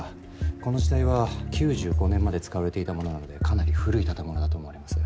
この字体は９５年まで使われていたものなのでかなり古い建物だと思われます。